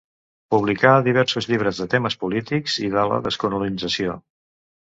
Publicà diversos llibres de temes polítics i de la descolonització.